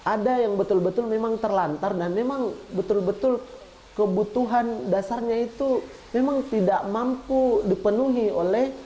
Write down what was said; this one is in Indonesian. ada yang betul betul memang terlantar dan memang betul betul kebutuhan dasarnya itu memang tidak mampu dipenuhi oleh